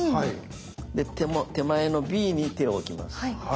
手前のＢに手を置きます。